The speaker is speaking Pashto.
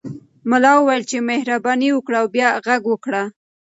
ملا وویل چې مهرباني وکړه او بیا غږ وکړه.